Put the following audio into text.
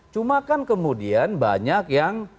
cuma kan kemudian banyak yang